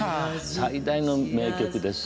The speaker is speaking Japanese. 最大の名曲です。